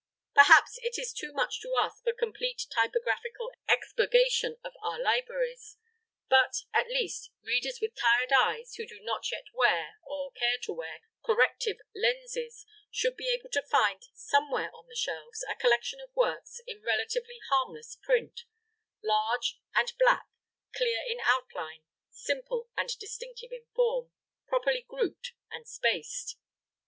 Perhaps it is too much to ask for complete typographical expurgation of our libraries. But, at least, readers with tired eyes who do not yet wear, or care to wear, corrective lenses, should be able to find, somewhere on the shelves, a collection of works in relatively harmless print large and black, clear in outline, simple and distinctive in form, properly grouped and spaced.